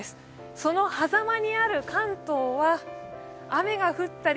そのはざまにある関東は雨が降ったり、